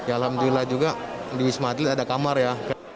alhamdulillah juga di wisma atlet ada kamar ya